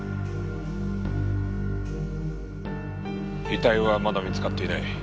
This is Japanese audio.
遺体はまだ見つかっていない。